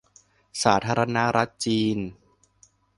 สาธารณรัฐจีน